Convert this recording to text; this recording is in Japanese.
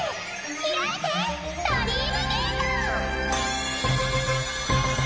開いてドリームゲート！